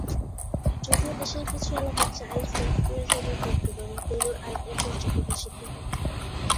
যদিও দেশের কিছু এলাকা চাইল্ড সেক্স ট্যুরিজম এর গন্তব্য এবং পেরুর আইন এই চর্চাকে নিষিদ্ধ করে।